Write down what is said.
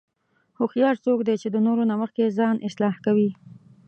هوښیار څوک دی چې د نورو نه مخکې ځان اصلاح کوي.